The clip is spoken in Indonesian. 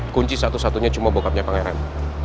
kunci satu satunya cuma bokapnya pangeran